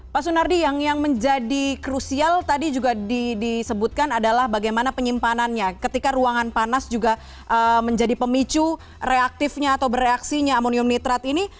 pak sunardi yang menjadi krusial tadi juga disebutkan adalah bagaimana penyimpanannya ketika ruangan panas juga menjadi pemicu reaktifnya atau bereaksinya amonium nitrat ini